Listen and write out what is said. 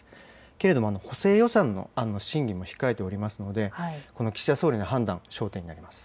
けれども補正予算の審議も控えておりますので、この岸田総理の判断、焦点になります。